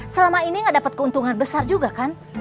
selama ini gak dapat keuntungan besar juga kan